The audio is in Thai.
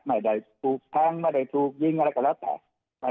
ไม่ได้ถูกแทงไม่ได้ถูกยิงอะไรก็แล้วแต่